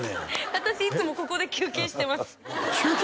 私いつもここで休憩してます休憩！？